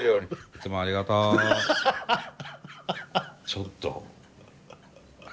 ちょっと。